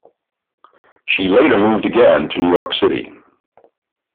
She later moved again to New York City.